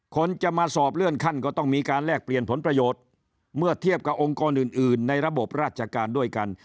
คนจะมาสอบเลื่อนขั้นก็ต้องมีการแลกเปลี่ยนผลประโยชน์เมื่อเทียบกับองค์กรอื่นอื่นในระบบราชการด้วยกัน